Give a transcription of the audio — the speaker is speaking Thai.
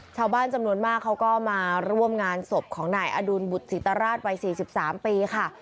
ชาวบ้านจำนวนมากเขาก็มาร่วมงานศพของนายอดุลบุตรศิตราชวัย๔๓ปีค่ะ